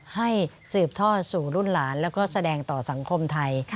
ให้สืบทอดสู่รุ่นหลานแล้วก็แสดงต่อสังคมไทย